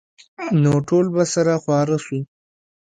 نو ټول به سره خواره سو.